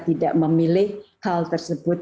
tidak memilih hal tersebut